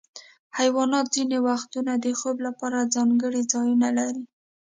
حیوانات ځینې وختونه د خوب لپاره ځانګړي ځایونه لري.